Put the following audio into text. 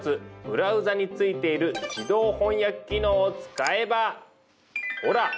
ブラウザについている自動翻訳機能を使えばほら。